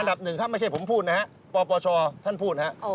อันดับหนึ่งครับไม่ใช่ผมพูดนะครับปปชท่านพูดนะครับ